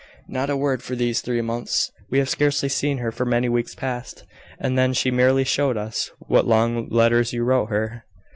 "Not a word for these three months. We have scarcely seen her for many weeks past; and then she merely showed us what long letters you wrote her."